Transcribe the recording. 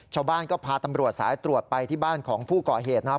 ชาวบ้านก็พาตำรวจสายตรวจไปที่บ้านของผู้ก่อเหตุนะครับ